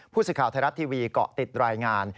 ผู้สื่อข่าวไทยรัฐทีวีเกาะติดรายงาน